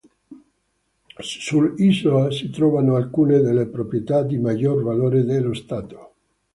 Sull'isola si trovano alcune delle proprietà di maggior valore dello Stato.